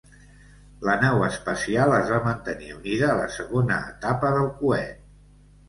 La nau espacial es va mantenir unida a la segona etapa del coet.